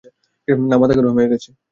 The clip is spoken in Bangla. না, মাথা গরম হয়ে গেছে।